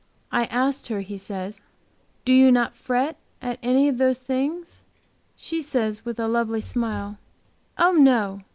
'I asked her,' he says, 'do you not fret at any of those things?' She says, with a lovely smile, 'Oh, no!